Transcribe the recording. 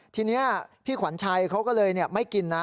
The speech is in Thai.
ทีนี้พี่ขวัญชัยเขาก็เลยไม่กินนะ